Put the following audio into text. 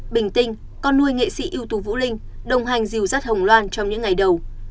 bình tinh con nuôi nghệ sĩ yêu thù vũ linh đồng hành rìu rắt hồng loan trong những ngày đầu